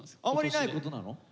あまりないことなの？